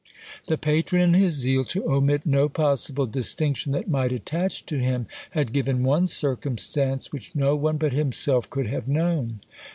The patron, in his zeal to omit no possible distinction that might attach to him, had given one circumstance which no one but himself could have known.